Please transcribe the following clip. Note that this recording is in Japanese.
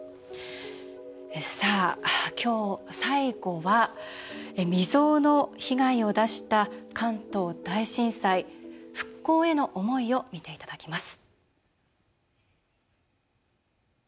最後は未曽有の被害を出した関東大震災、復興への思いを見ていただきます。